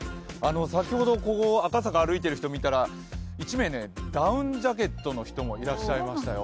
先ほど赤坂歩いている人を見たら１名、ダウンジャケットの人もいらっしゃいましたよ。